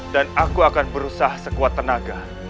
dan saya akan berusaha sekuat tenaga